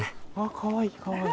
かわいいかわいい。